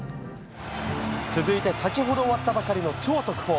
続いて先ほど終わったばかりの超速報。